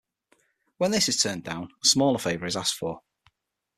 When this is turned down, a smaller favor is asked for.